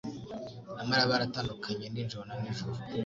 na Mariya baratandukanye nijoro na nijoro